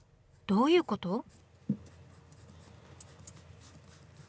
どういうこと？